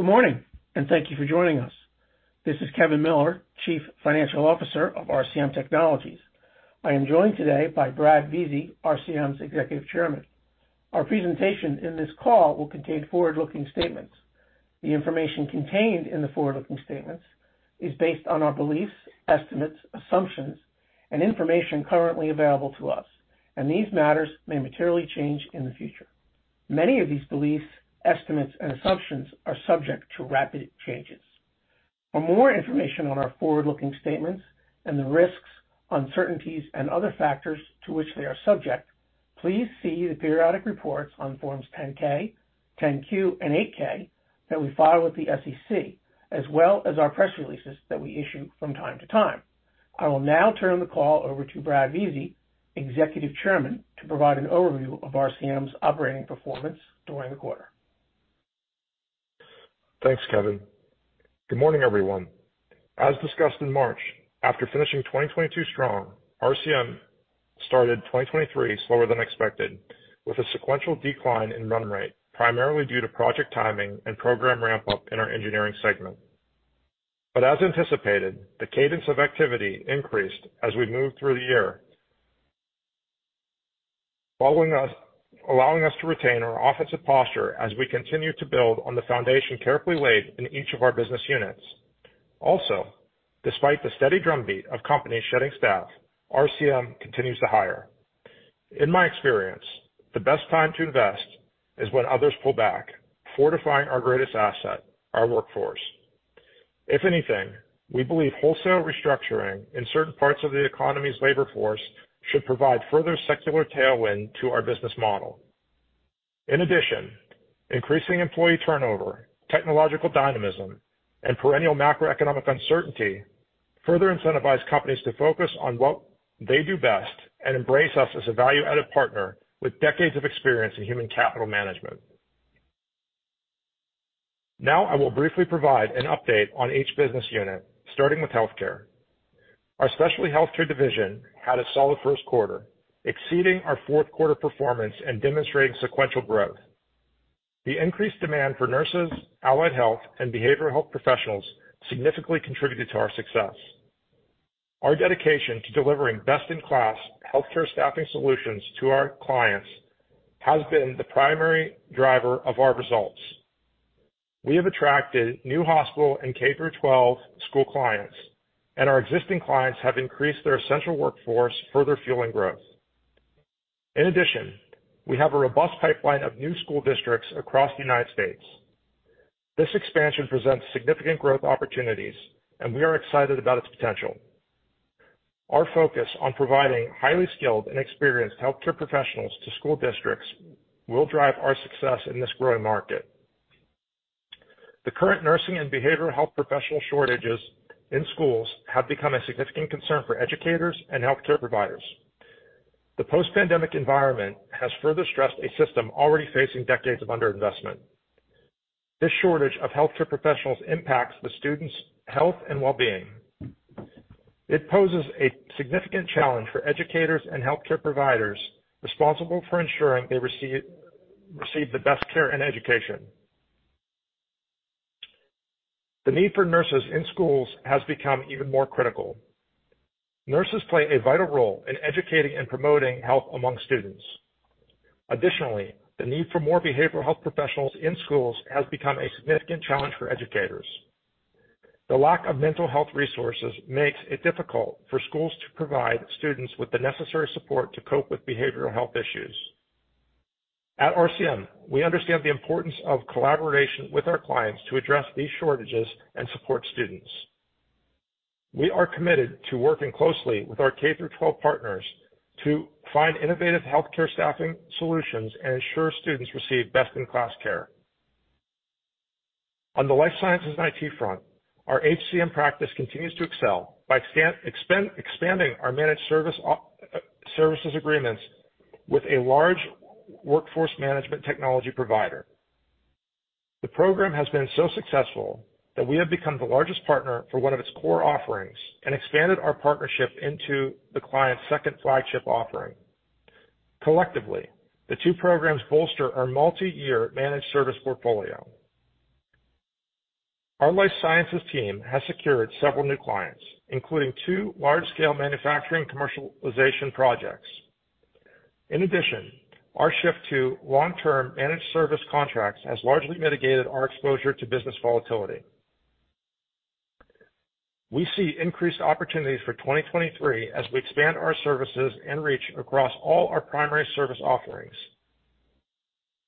Good morning. Thank you for joining us. This is Kevin Miller, Chief Financial Officer of RCM Technologies. I am joined today by Brad Vizi, RCM's Executive Chairman. Our presentation in this call will contain forward-looking statements. The information contained in the forward-looking statements is based on our beliefs, estimates, assumptions, and information currently available to us. These matters may materially change in the future. Many of these beliefs, estimates, and assumptions are subject to rapid changes. For more information on our forward-looking statements and the risks, uncertainties, and other factors to which they are subject, please see the periodic reports on forms 10-K, 10-Q, and 8-K that we file with the SEC, as well as our press releases that we issue from time to time. I will now turn the call over to Brad Vizi, Executive Chairman, to provide an overview of RCM's operating performance during the quarter. Thanks, Kevin. Good morning, everyone. As discussed in March, after finishing 2022 strong, RCM started 2023 slower than expected, with a sequential decline in run rate, primarily due to project timing and program ramp-up in our engineering segment. As anticipated, the cadence of activity increased as we moved through the year. Allowing us to retain our offensive posture as we continue to build on the foundation carefully laid in each of our business units. Despite the steady drumbeat of companies shedding staff, RCM continues to hire. In my experience, the best time to invest is when others pull back, fortifying our greatest asset, our workforce. If anything, we believe wholesale restructuring in certain parts of the economy's labor force should provide further secular tailwind to our business model. Increasing employee turnover, technological dynamism, and perennial macroeconomic uncertainty further incentivize companies to focus on what they do best and embrace us as a value-added partner with decades of experience in human capital management. I will briefly provide an update on each business unit, starting with healthcare. Our specialty healthcare division had a solid first quarter, exceeding our fourth-quarter performance and demonstrating sequential growth. The increased demand for nurses, allied health, and behavioral health professionals significantly contributed to our success. Our dedication to delivering best-in-class healthcare staffing solutions to our clients has been the primary driver of our results. We have attracted new hospital and K-12 school clients, and our existing clients have increased their essential workforce, further fueling growth. We have a robust pipeline of new school districts across the United States. This expansion presents significant growth opportunities, and we are excited about its potential. Our focus on providing highly skilled and experienced healthcare professionals to school districts will drive our success in this growing market. The current nursing and behavioral health professional shortages in schools have become a significant concern for educators and healthcare providers. The post-pandemic environment has further stressed a system already facing decades of underinvestment. This shortage of healthcare professionals impacts the students' health and wellbeing. It poses a significant challenge for educators and healthcare providers responsible for ensuring they receive the best care and education. The need for nurses in schools has become even more critical. Nurses play a vital role in educating and promoting health among students. Additionally, the need for more behavioral health professionals in schools has become a significant challenge for educators. The lack of mental health resources makes it difficult for schools to provide students with the necessary support to cope with behavioral health issues. At RCM, we understand the importance of collaboration with our clients to address these shortages and support students. We are committed to working closely with our K-12 partners to find innovative healthcare staffing solutions and ensure students receive best-in-class care. On the life sciences and IT front, our HCM practice continues to excel by expanding our managed service services agreements with a large workforce management technology provider. The program has been so successful that we have become the largest partner for one of its core offerings and expanded our partnership into the client's second flagship offering. Collectively, the two programs bolster our multi-year managed service portfolio. Our life sciences team has secured several new clients, including two large-scale manufacturing commercialization projects. In addition, our shift to long-term managed service contracts has largely mitigated our exposure to business volatility. We see increased opportunities for 2023 as we expand our services and reach across all our primary service offerings.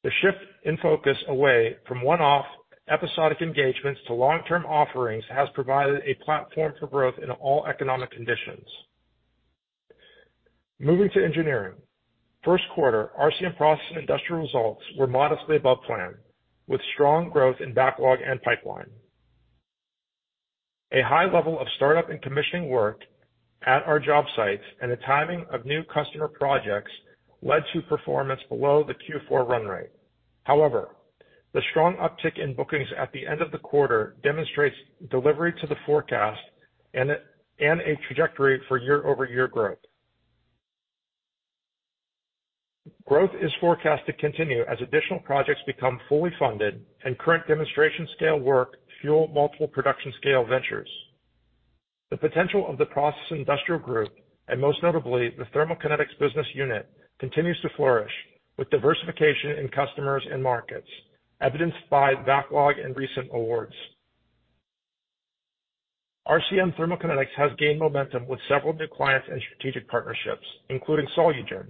The shift in focus away from one-off episodic engagements to long-term offerings has provided a platform for growth in all economic conditions. Moving to engineering. First quarter RCM process and industrial results were modestly above plan, with strong growth in backlog and pipeline. A high level of startup and commissioning work at our job sites and the timing of new customer projects led to performance below the Q4 run rate. The strong uptick in bookings at the end of the quarter demonstrates delivery to the forecast and a trajectory for year-over-year growth. Growth is forecast to continue as additional projects become fully funded and current demonstration scale work fuel multiple production scale ventures. The potential of the process industrial group, and most notably the Thermal Kinetics business unit, continues to flourish with diversification in customers and markets, evidenced by backlog and recent awards. RCM Thermal Kinetics has gained momentum with several new clients and strategic partnerships, including Solugen,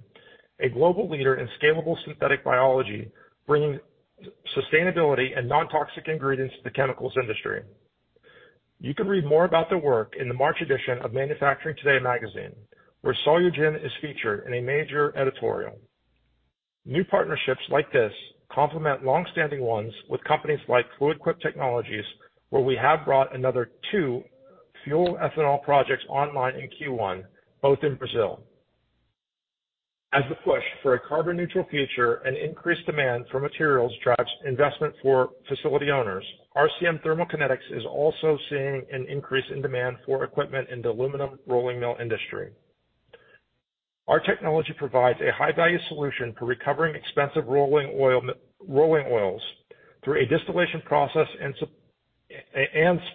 a global leader in scalable synthetic biology, bringing sustainability and non-toxic ingredients to the chemicals industry. You can read more about their work in the March edition of Manufacturing Today magazine, where Solugen is featured in a major editorial. New partnerships like this complement long-standing ones with companies like Fluid Quip Technologies, where we have brought another 2 fuel ethanol projects online in Q1, both in Brazil. As the push for a carbon neutral future and increased demand for materials drives investment for facility owners, RCM Thermal Kinetics is also seeing an increase in demand for equipment in the aluminum rolling mill industry. Our technology provides a high value solution for recovering expensive rolling oils through a distillation process and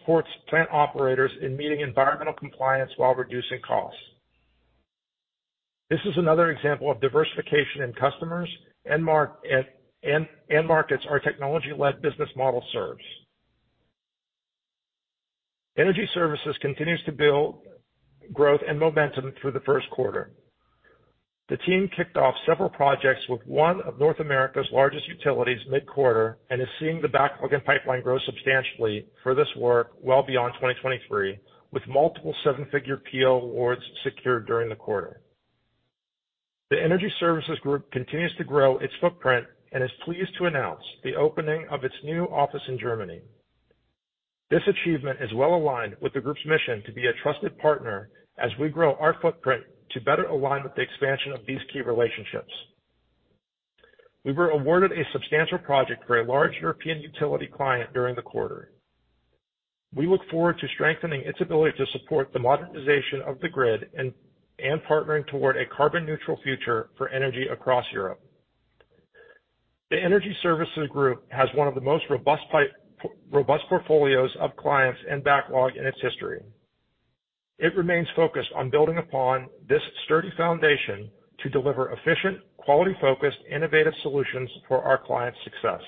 supports plant operators in meeting environmental compliance while reducing costs. This is another example of diversification in customers and markets our technology-led business model serves. Energy Services continues to build growth and momentum through the first quarter. The team kicked off several projects with one of North America's largest utilities mid-quarter, and is seeing the backlog and pipeline grow substantially for this work well beyond 2023, with multiple seven-figure PO awards secured during the quarter. The Energy Services Group continues to grow its footprint and is pleased to announce the opening of its new office in Germany. This achievement is well aligned with the group's mission to be a trusted partner as we grow our footprint to better align with the expansion of these key relationships. We were awarded a substantial project for a large European utility client during the quarter. We look forward to strengthening its ability to support the modernization of the grid and partnering toward a carbon neutral future for energy across Europe. The Energy Services Group has one of the most robust portfolios of clients and backlog in its history. It remains focused on building upon this sturdy foundation to deliver efficient, quality focused, innovative solutions for our clients' success.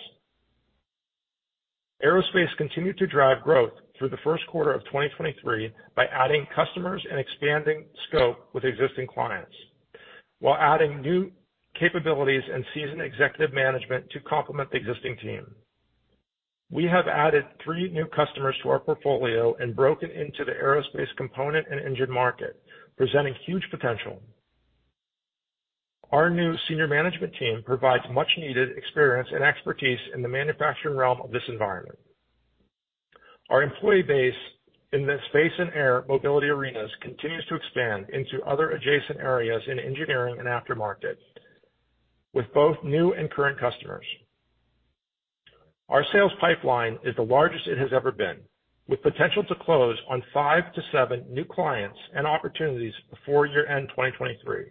Aerospace continued to drive growth through the first quarter of 2023 by adding customers and expanding scope with existing clients, while adding new capabilities and seasoned executive management to complement the existing team. We have added three new customers to our portfolio and broken into the aerospace component and engine market, presenting huge potential. Our new senior management team provides much needed experience and expertise in the manufacturing realm of this environment. Our employee base in the space and air mobility arenas continues to expand into other adjacent areas in engineering and aftermarket with both new and current customers. Our sales pipeline is the largest it has ever been, with potential to close on 5 to 7 new clients and opportunities before year-end 2023,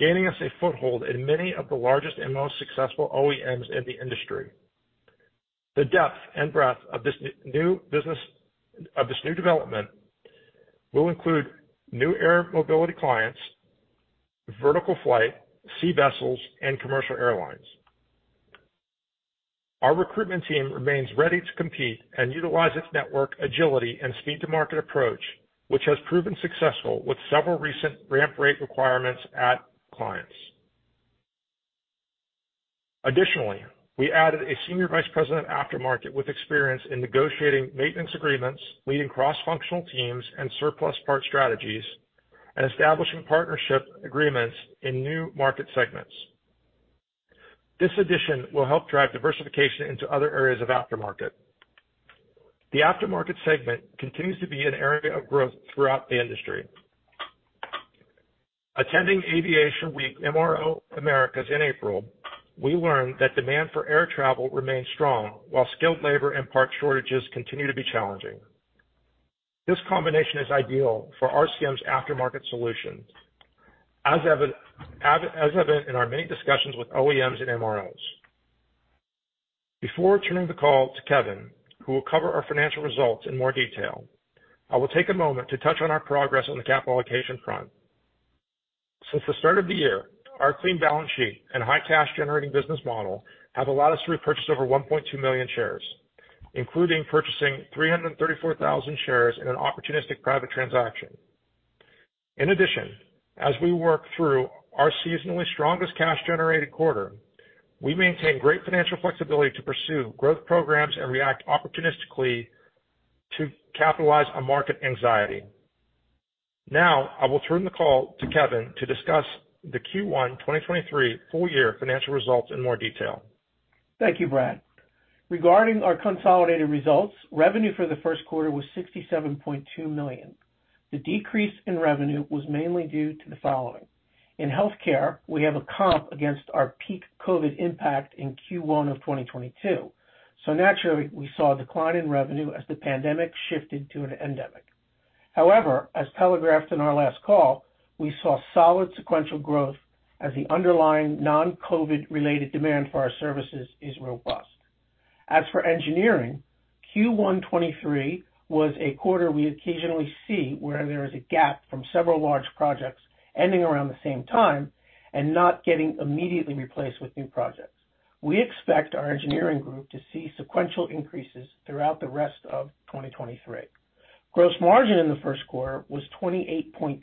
gaining us a foothold in many of the largest and most successful OEMs in the industry. The depth and breadth of this new development will include new air mobility clients, vertical flight, sea vessels, and commercial airlines. Our recruitment team remains ready to compete and utilize its network agility and speed to market approach, which has proven successful with several recent ramp rate requirements at clients. Additionally, we added a senior vice president aftermarket with experience in negotiating maintenance agreements, leading cross-functional teams and surplus parts strategies, and establishing partnership agreements in new market segments. This addition will help drive diversification into other areas of aftermarket. The aftermarket segment continues to be an area of growth throughout the industry. Attending Aviation Week MRO Americas in April, we learned that demand for air travel remains strong while skilled labor and parts shortages continue to be challenging. This combination is ideal for RCM's aftermarket solutions as evident in our many discussions with OEMs and MROs. Before turning the call to Kevin, who will cover our financial results in more detail, I will take a moment to touch on our progress on the capital allocation front. Since the start of the year, our clean balance sheet and high cash generating business model have allowed us to repurchase over 1.2 million shares, including purchasing 334,000 shares in an opportunistic private transaction. In addition, as we work through our seasonally strongest cash generated quarter, we maintain great financial flexibility to pursue growth programs and react opportunistically to capitalize on market anxiety. I will turn the call to Kevin to discuss the Q1, 2023 full year financial results in more detail. Thank you, Brad. Regarding our consolidated results, revenue for the first quarter was $67.2 million. The decrease in revenue was mainly due to the following. In healthcare, we have a comp against our peak COVID impact in Q1 of 2022. Naturally, we saw a decline in revenue as the pandemic shifted to an endemic. However, as telegraphed in our last call, we saw solid sequential growth as the underlying non-COVID related demand for our services is robust. For engineering, Q1 2023 was a quarter we occasionally see where there is a gap from several large projects ending around the same time and not getting immediately replaced with new projects. We expect our engineering group to see sequential increases throughout the rest of 2023. Gross margin in the first quarter was 28.3%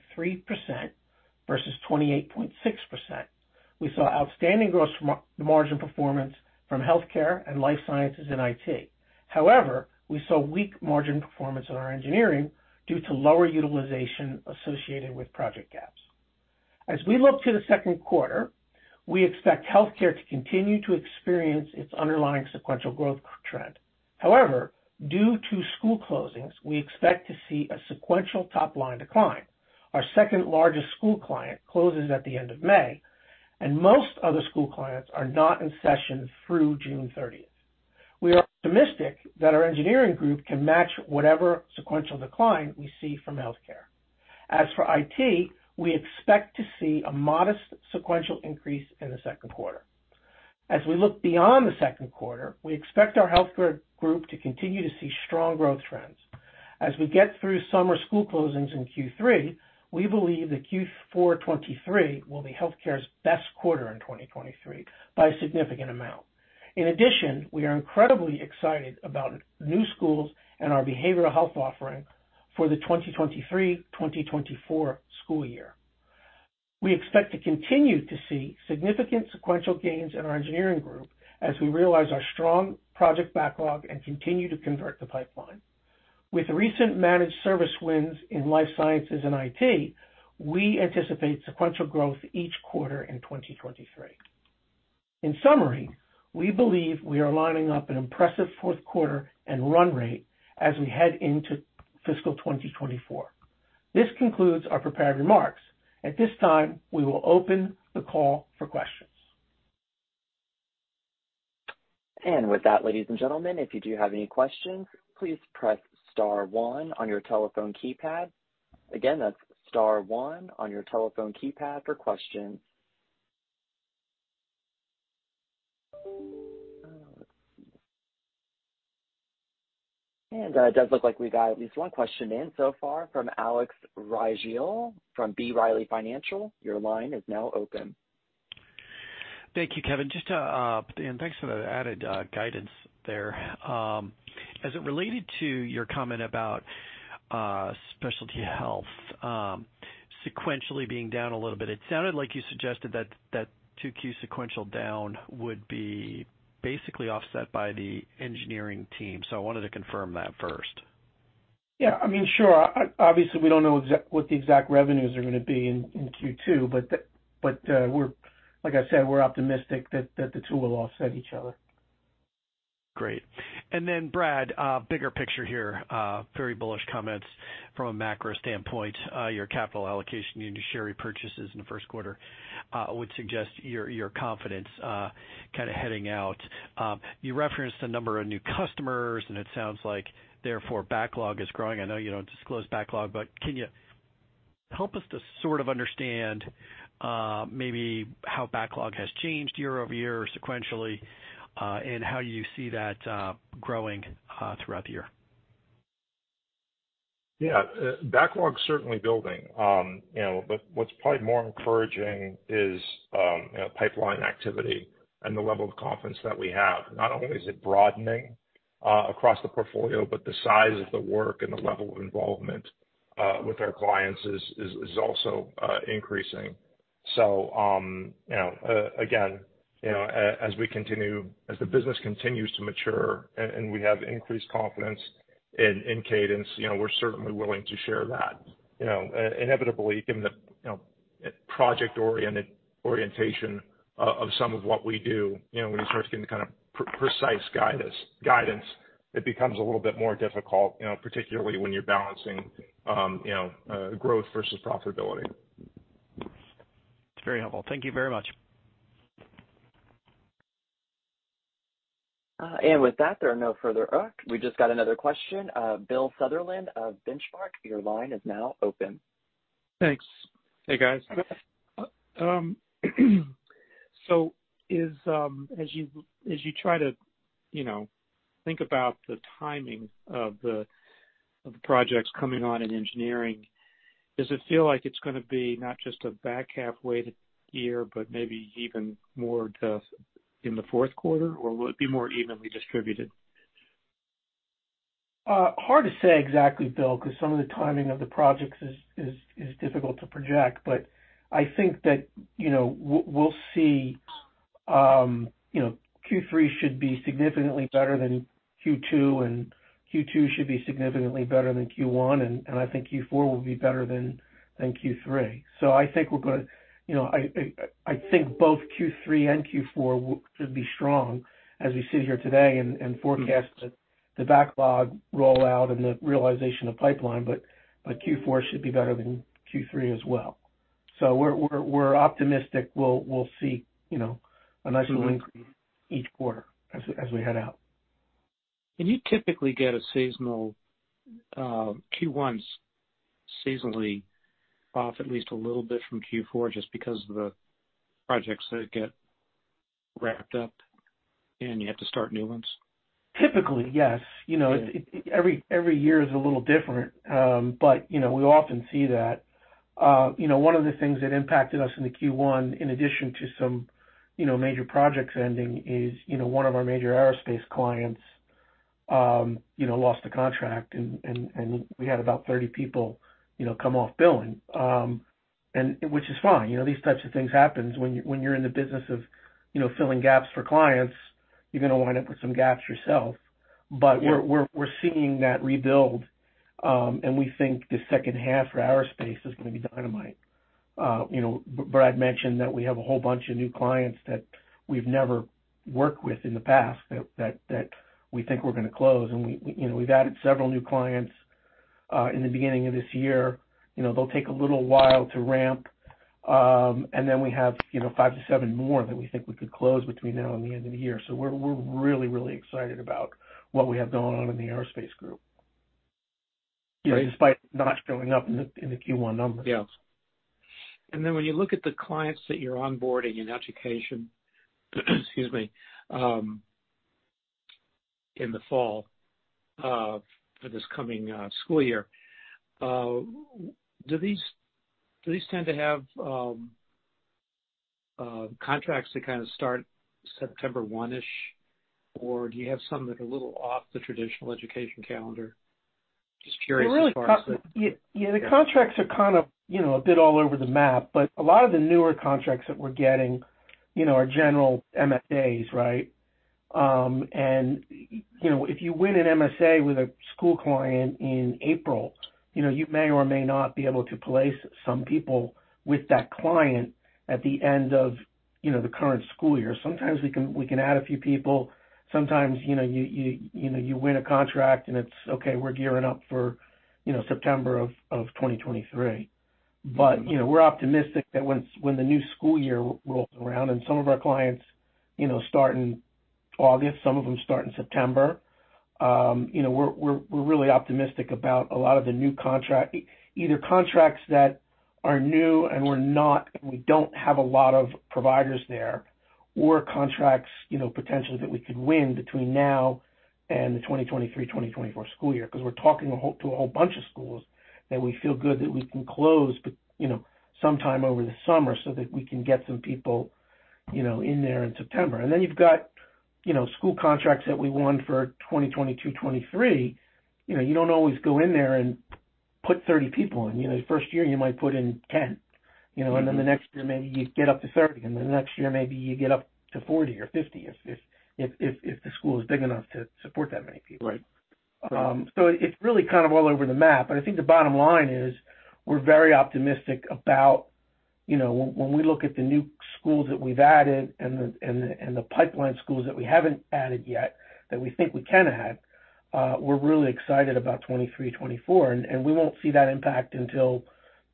versus 28.6%. We saw outstanding gross margin performance from healthcare and life sciences and IT. We saw weak margin performance in our engineering due to lower utilization associated with project gaps. As we look to the second quarter, we expect healthcare to continue to experience its underlying sequential growth trend. Due to school closings, we expect to see a sequential top line decline. Our second-largest school client closes at the end of May, and most other school clients are not in session through June thirtieth. We are optimistic that our engineering group can match whatever sequential decline we see from healthcare. As for IT, we expect to see a modest sequential increase in the second quarter. As we look beyond the second quarter, we expect our healthcare group to continue to see strong growth trends. As we get through summer school closings in Q3, we believe that Q4 '23 will be healthcare's best quarter in 2023 by a significant amount. In addition, we are incredibly excited about new schools and our behavioral health offering for the 2023/2024 school year. We expect to continue to see significant sequential gains in our engineering group as we realize our strong project backlog and continue to convert the pipeline. With recent managed service wins in life sciences and IT, we anticipate sequential growth each quarter in 2023. In summary, we believe we are lining up an impressive Q4 and run rate as we head into fiscal 2024. This concludes our prepared remarks. At this time, we will open the call for questions. With that, ladies and gentlemen, if you do have any questions, please press star one on your telephone keypad. That's star one on your telephone keypad for questions. Let's see. It does look like we've got at least one question in so far from Alex Rygiel from B. Riley Financial. Your line is now open. Thank you, Kevin. Just to, thanks for the added guidance there. As it related to your comment about specialty health, sequentially being down a little bit, it sounded like you suggested that that Q2 sequential down would be basically offset by the engineering team. I wanted to confirm that first. I mean, sure. Obviously, we don't know what the exact revenues are gonna be in Q2, but we're like I said, we're optimistic that the two will offset each other. Great. Brad, bigger picture here, very bullish comments from a macro standpoint. Your capital allocation and your share repurchases in the first quarter, would suggest your confidence, kinda heading out. You referenced a number of new customers, and it sounds like therefore backlog is growing. I know you don't disclose backlog, but can you help us to sort of understand, maybe how backlog has changed year-over-year or sequentially, and how you see that, growing, throughout the year? Yeah, backlog's certainly building. You know, but what's probably more encouraging is, you know, pipeline activity and the level of confidence that we have. Not only is it broadening across the portfolio, but the size of the work and the level of involvement with our clients is also increasing. You know, again, as the business continues to mature and we have increased confidence in cadence, you know, we're certainly willing to share that. You know, inevitably, given the, you know, project-oriented orientation of some of what we do, you know, when you start getting the kind of precise guidance, it becomes a little bit more difficult, you know, particularly when you're balancing, you know, growth versus profitability. It's very helpful. Thank you very much. With that, there are no further up. We just got another question. Bill Sutherland of Benchmark, your line is now open. Thanks. Hey, guys. As you try to, you know, think about the timing of the projects coming on in engineering, does it feel like it's gonna be not just a back half-weighted year, but maybe even more to in the fourth quarter, or will it be more evenly distributed? Hard to say exactly, Bill, 'cause some of the timing of the projects is difficult to project. I think that, you know, we'll see, you know, Q3 should be significantly better than Q2, and Q2 should be significantly better than Q1, and I think Q4 will be better than Q3. I think we're gonna, you know, I think both Q3 and Q4 could be strong as we sit here today and forecast the backlog rollout and the realization of pipeline, but Q4 should be better than Q3 as well. We're optimistic we'll see, you know, a nice little increase each quarter as we head out. You typically get a seasonal, Q1s seasonally off at least a little bit from Q4 just because of the projects that get wrapped up, and you have to start new ones. Typically, yes. You know. Okay. Every year is a little different. You know, we often see that. You know, one of the things that impacted us in the Q1 in addition to some, you know, major projects ending is, you know, one of our major aerospace clients, you know, lost a contract and we had about 30 people, you know, come off billing. Which is fine. You know, these types of things happens when you're in the business of, you know, filling gaps for clients, you're gonna wind up with some gaps yourself. Yeah. We're seeing that rebuild. We think the second half for aerospace is gonna be dynamite. You know, Brad mentioned that we have a whole bunch of new clients that we've never worked with in the past that we think we're gonna close. We, you know, we've added several new clients in the beginning of this year. You know, they'll take a little while to ramp. Then we have, you know, five to seven more that we think we could close between now and the end of the year. We're really, really excited about what we have going on in the Aerospace Group. Great. Despite not showing up in the Q1 numbers. Yeah. When you look at the clients that you're onboarding in education, excuse me, in the fall, for this coming school year, do these tend to have contracts that kinda start September 1-ish, or do you have some that are a little off the traditional education calendar? Just curious as far as the. They're really. Yeah. Yeah, the contracts are kind of, you know, a bit all over the map, but a lot of the newer contracts that we're getting, you know, are general MSAs, right? If you win an MSA with a school client in April, you know, you may or may not be able to place some people with that client at the end of, you know, the current school year. Sometimes we can add a few people. Sometimes, you know, you win a contract and it's okay, we're gearing up for, you know, September of 2023. you know, we're optimistic that when the new school year rolls around and some of our clients, you know, start in August, some of them start in September, you know, we're really optimistic about a lot of the new contract. Either contracts that are new and we're not, and we don't have a lot of providers there, or contracts, you know, potentially that we could win between now and the 2023/2024 school year. 'Cause we're talking to a whole bunch of schools that we feel good that we can close, but, you know, sometime over the summer so that we can get some people, you know, in there in September. you've got, you know, school contracts that we won for 2022, 2023. You know, you don't always go in there and put 30 people in. You know, the first year you might put in 10, you know? Then the next year, maybe you get up to 30. Then the next year, maybe you get up to 40 or 50 if the school is big enough to support that many people. Riht. It's really kind of all over the map. I think the bottom line is we're very optimistic about, you know, when we look at the new schools that we've added and the pipeline schools that we haven't added yet, that we think we can add, we're really excited about 2023/2024. We won't see that impact until,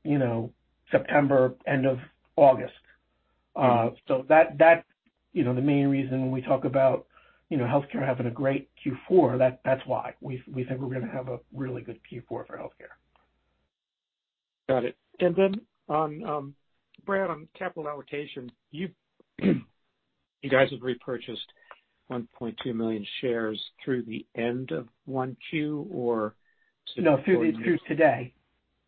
you know, September, end of August. That's, you know, the main reason when we talk about, you know, healthcare having a great Q4, that's why. We think we're gonna have a really good Q4 for healthcare. Got it. On, Brad, on capital allocation, you've, you guys have repurchased 1.2 million shares through the end of 1Q or. No, through today.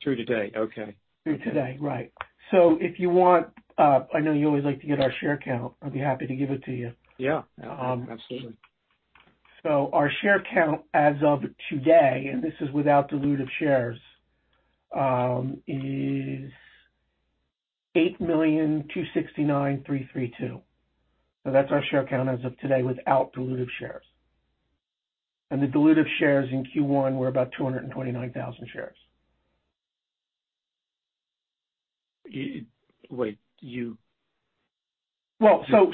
Through today, okay. Through today, right. If you want, I know you always like to get our share count. I'd be happy to give it to you. Yeah. Absolutely. Our share count as of today, and this is without dilutive shares, is 8,269,332. That's our share count as of today without dilutive shares. The dilutive shares in Q1 were about 229,000 shares. Wait. Well, so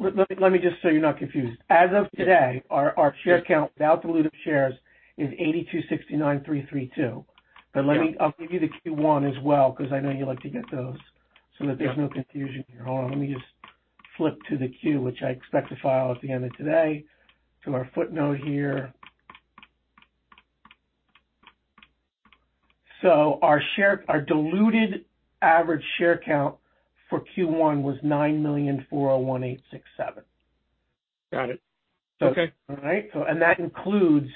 let me just so you're not confused. As of today, our share count without dilutive shares is 8,269,332. I'll give you the Q1 as well, 'cause I know you like to get those, so that there's no confusion here. Hold on. Let me just flip to the Q, which I expect to file at the end of today, to our footnote here. Our share, our diluted average share count for Q1 was 9,401,867. Got it. Okay. All right? That includes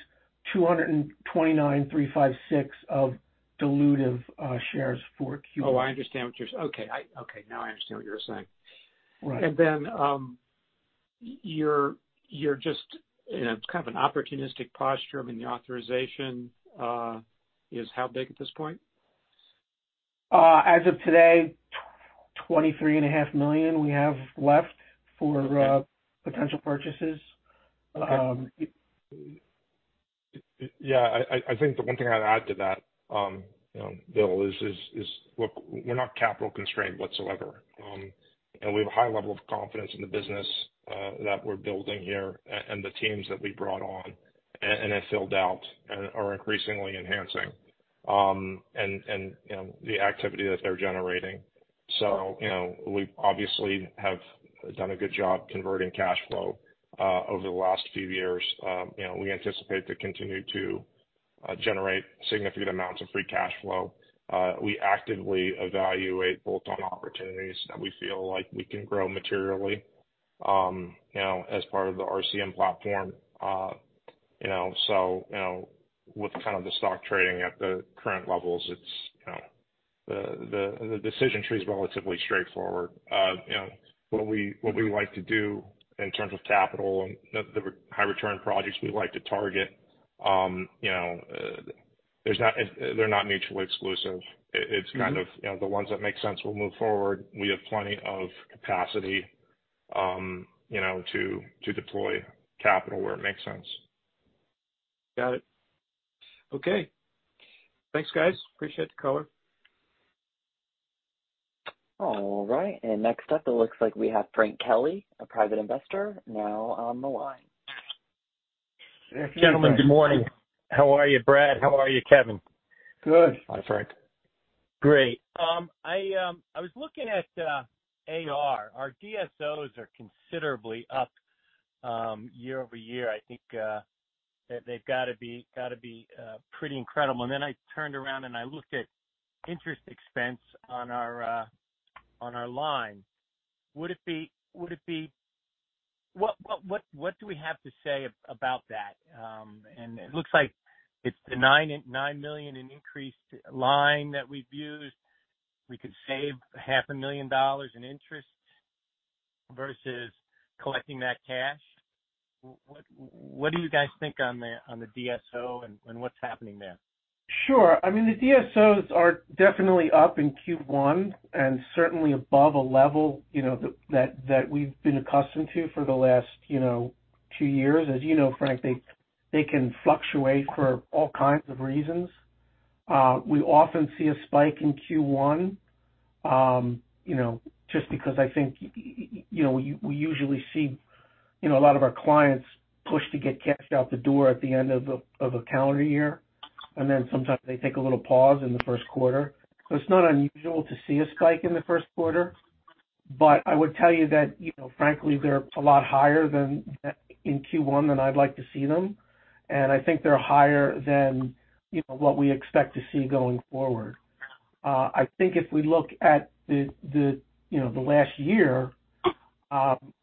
229,356 of dilutive shares for Q1. Okay, now I understand what you're saying. Right. You're just in a kind of an opportunistic posture. I mean, the authorization is how big at this point? As of today, $23 and a half million we have left for. Okay... potential purchases. Okay. Yeah. I think the one thing I'd add to that, you know, Bill, is, look, we're not capital constrained whatsoever. We have a high level of confidence in the business, that we're building here and the teams that we brought on and have filled out and are increasingly enhancing. You know, the activity that they're generating. You know, we obviously have done a good job converting cash flow over the last few years. You know, we anticipate to continue to generate significant amounts of free cash flow. We actively evaluate bolt-on opportunities that we feel like we can grow materially, you know, as part of the RCM platform. You know, so, you know, with kind of the stock trading at the current levels, it's, you know, the, the decision tree is relatively straightforward. You know, what we, what we like to do in terms of capital and the high return projects we like to target, you know, they're not mutually exclusive. It, it's kind of, you know, the ones that make sense will move forward. We have plenty of capacity, you know, to deploy capital where it makes sense. Got it. Okay. Thanks, guys. Appreciate the color. All right. next up, it looks like we have Frank Kelly, a private investor, now on the line. Gentlemen, good morning. How are you, Brad? How are you, Kevin? Good. Hi, Frank. Great. I was looking at AR. Our DSOs are considerably up year over year. I think that they've gotta be pretty incredible. Then I turned around, and I looked at interest expense on our line. Would it be... What do we have to say about that? It looks like it's the $9 million in increased line that we've used. We could save half a million dollars in interest versus collecting that cash. What do you guys think on the DSO and what's happening there? Sure. I mean, the DSOs are definitely up in Q1 and certainly above a level, you know, that we've been accustomed to for the last, you know, two years. As you know, Frank, they can fluctuate for all kinds of reasons. We often see a spike in Q1, you know, just because I think, you know, we usually see, you know, a lot of our clients push to get cash out the door at the end of a calendar year. Sometimes they take a little pause in the first quarter. It's not unusual to see a spike in the first quarter. I would tell you that, you know, frankly, they're a lot higher than that in Q1 than I'd like to see them. I think they're higher than, you know, what we expect to see going forward. I think if we look at the, you know, the last year,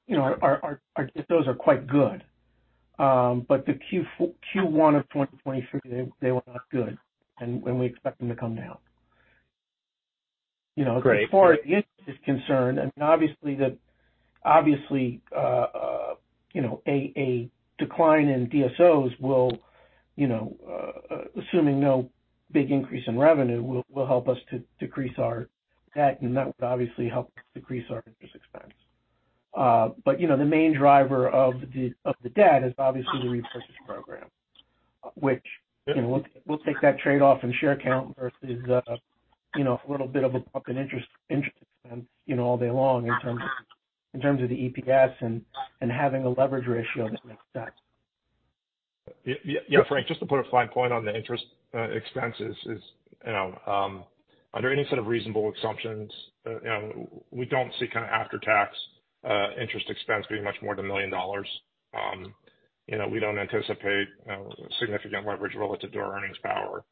you know, our DSOs are quite good. The Q1 of 2023, they were not good, and we expect them to come down. You know. Great. As far as the interest is concerned, I mean, obviously, you know, a decline in DSOs will, you know, assuming no big increase in revenue, will help us to decrease our debt, and that would obviously help decrease our interest expense. But you know, the main driver of the debt is obviously the repurchase program, which, you know, we'll take that trade-off in share count versus, you know, a little bit of a bump in interest expense, you know, all day long in terms of the EPS and having a leverage ratio that makes sense. Yeah, Frank, just to put a fine point on the interest expenses is, you know, under any set of reasonable assumptions, you know, we don't see kinda after-tax interest expense being much more than $1 million. You know, we don't anticipate, you know, significant leverage relative to our earnings power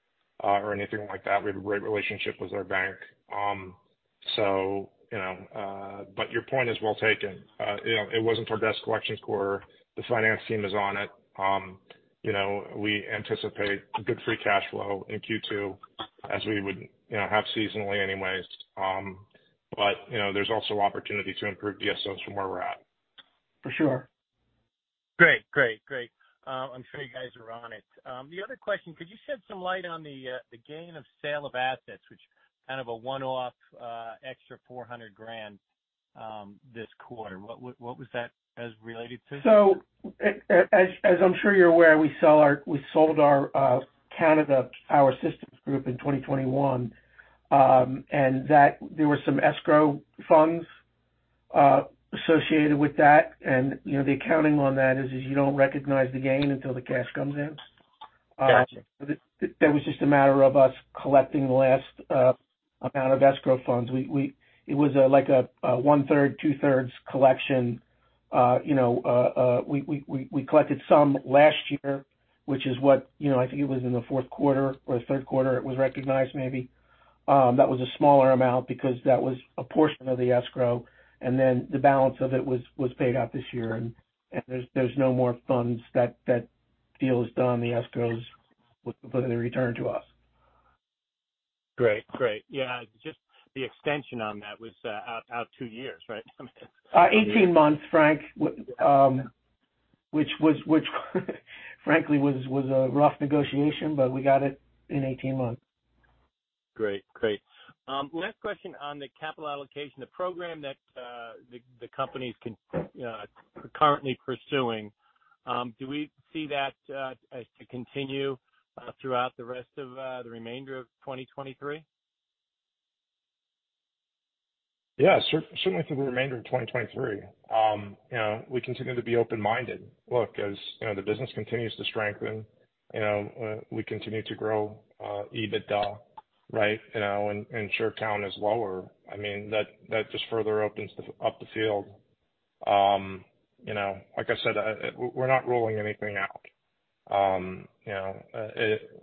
or anything like that. We have a great relationship with our bank. You know, but your point is well taken. You know, it wasn't our best collections quarter. The finance team is on it. You know, we anticipate good free cash flow in Q2, as we would, you know, have seasonally anyways. You know, there's also opportunity to improve DSOs from where we're at. For sure. Great. Great. Great. I'm sure you guys are on it. The other question, could you shed some light on the gain of sale of assets, which kind of a one-off, extra $400,000 this quarter? What was that as related to? As I'm sure you're aware, we sold our Canada Power Systems group in 2021. That there were some escrow funds associated with that. You know, the accounting on that is you don't recognize the gain until the cash comes in. Gotcha. That was just a matter of us collecting the last amount of escrow funds. It was like a one-third, two-thirds collection. You know, we collected some last year, which is what, you know, I think it was in the Q4 or the Q3 it was recognized maybe. That was a smaller amount because that was a portion of the escrow, and then the balance of it was paid out this year. There's no more funds. That deal is done. The escrow's completely returned to us. Great. Great. Yeah, just the extension on that was out two years, right? 18 months, Frank. which frankly was a rough negotiation, but we got it in 18 months. Great. Great. Last question on the capital allocation, the program that the company's currently pursuing. Do we see that as to continue throughout the rest of the remainder of 2023? Yeah. Certainly for the remainder of 2023. you know, we continue to be open-minded. Look, as you know, the business continues to strengthen, you know, we continue to grow EBITDA, right, you know, and share count is lower. I mean, that just further opens up the field. you know, like I said, we're not ruling anything out. you know,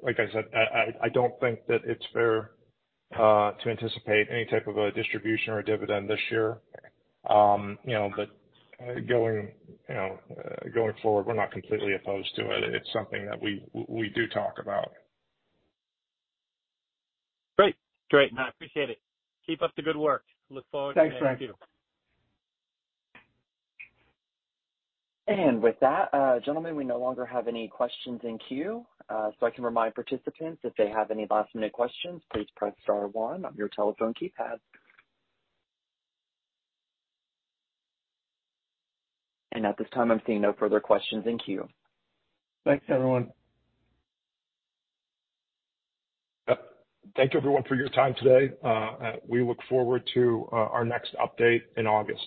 like I said, I don't think that it's fair to anticipate any type of a distribution or dividend this year. you know, going, you know, going forward, we're not completely opposed to it. It's something that we do talk about. Great. I appreciate it. Keep up the good work. Look forward to the next Q. Thanks, Frank. With that, gentlemen, we no longer have any questions in queue. I can remind participants if they have any last-minute questions, please press star one on your telephone keypad. At this time, I'm seeing no further questions in queue. Thanks, everyone. Thank you everyone for your time today. We look forward to our next update in August.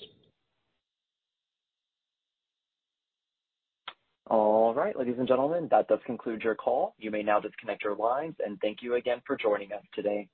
All right, ladies and gentlemen, that does conclude your call. You may now disconnect your lines. Thank you again for joining us today.